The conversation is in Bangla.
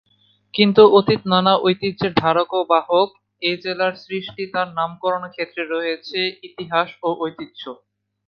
কিন্তু অতীত নানা ঐতিহ্যের ধারক ও বাহক এ জেলার সৃষ্টি আর নামকরণের ক্ষেত্রে রয়েছে ইতিহাস ও ঐতিহ্য।